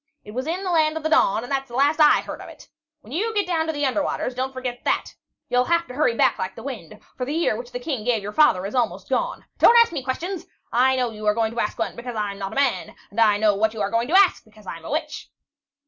It was in the Land of the Dawn, and that's the last I heard of it! When you do get to the under waters, don't forget that. You'll have to hurry back like the wind, for the year which the King gave your father is almost gone. Don't ask me questions! I know you are going to ask one, because I'm not a man; and I know what you are going to ask, because I'm a witch."